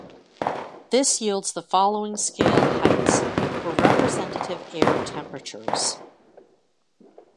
This yields the following scale heights for representative air temperatures.